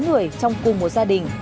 sáu người trong cùng một gia đình